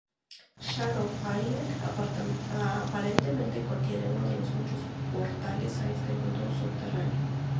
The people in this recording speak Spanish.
Shadow Island aparentemente contiene uno de los muchos portales a este mundo subterráneo.